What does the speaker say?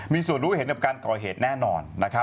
มีส่วนรู้เห็นกับการก่อเหตุแน่นอน